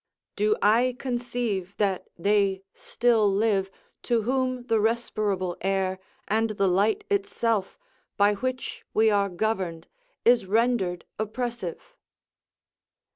. Do I conceive that they still live, to whom the respirable air, and the light itself, by which we are governed, is rendered oppressive?"